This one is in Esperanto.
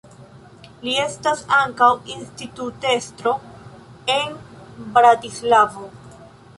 Li estas ankaŭ institutestro en Bratislavo.